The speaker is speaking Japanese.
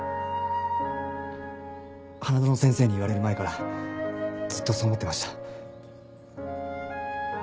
花園先生に言われる前からずっとそう思ってました。